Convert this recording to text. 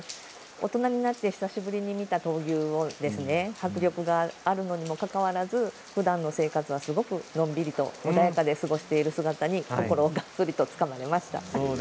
大人になって久しぶりに見た闘牛迫力があるのにもかかわらずふだんの生活はすごくのんびりと穏やかで過ごしている姿に心をがっつりとつかまれました。